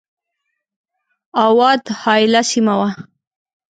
اَوَد حایله سیمه وه.